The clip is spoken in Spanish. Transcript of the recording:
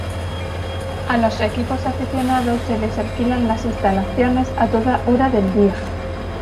A los equipos aficionados se les alquilan las instalaciones a toda hora del día.